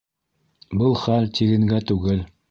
Был хәл тигенгә түгел.